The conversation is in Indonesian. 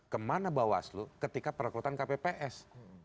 kemana bawaslu ketika perekrutan kpps